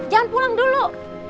jangan pulang dulu